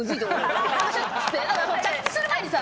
着地する前にさ。